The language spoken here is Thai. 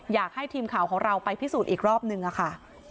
อยากให้ทีมข่าวของเราไปพิสูจน์อีกรอบนึงค่ะ